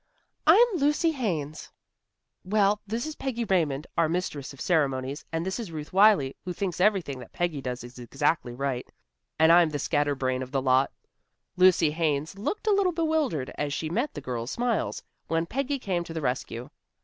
"I'm Lucy Haines." "Well, this is Peggy Raymond, our mistress of ceremonies, and this is Ruth Wylie, who thinks everything that Peggy does is exactly right, and I'm the scatterbrain of the lot." Lucy Haines looked a little bewildered as she met the girls' smiles, when Peggy came to the rescue.